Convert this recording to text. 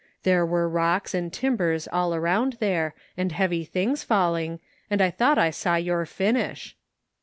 There were rocks and timbers all around there and heavy things falling, and I thought I saw your finish."